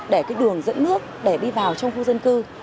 để cái đường dẫn nước để đi vào trong khu dân cư